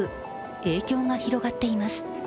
影響が広がっています。